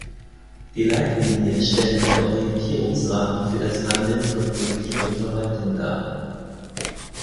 Die Leitlinien stellen einen Orientierungsrahmen für das Handeln von Politik und Verwaltung dar.